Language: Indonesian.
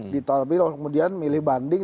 ditolepil kemudian memilih banding